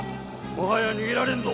もはや逃げられぬぞ。